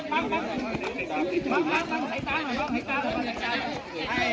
ขอโทรไปขอโทรไปขอโทรไป